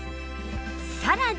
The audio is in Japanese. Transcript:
さらに